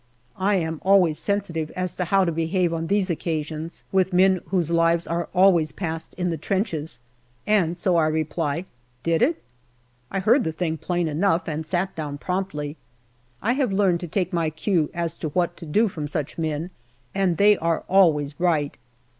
I am always sensitive as to how to behave on these occasions, SEPTEMBER 225 with men whose lives are always passed in the trenches, and so I reply " Did it ?" I heard the thing plain enough, and sat down promptly. I have learned to take my cue as to what to do from such men, and they are always right.